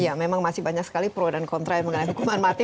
ya memang masih banyak sekali pro dan kontra mengenai hukuman mati